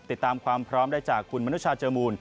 ติดตามความพร้อมได้จากคุณมนุชาเจอมูล